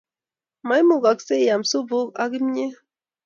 Maimugasgee iam supuk ak umet